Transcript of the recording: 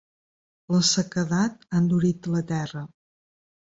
La sequedat ha endurit la terra.